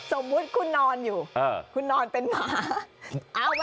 สมมุติคุณนอนอยู่คุณนอนเป็นหมา